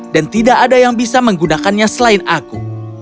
dan tidak ada yang bisa menggunakannya selain aku